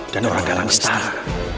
dan orang kalang setara